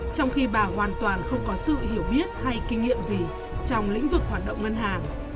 trong khi bà hoàn toàn không có sự hiểu biết hay kinh nghiệm gì trong lĩnh vực hoạt động ngân hàng